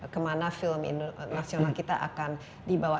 kemana film nasional kita akan dibawa